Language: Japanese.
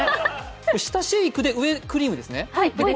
下シェイクで、上クリームですね。